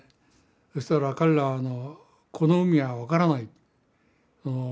そしたら彼らはこの海は分からない。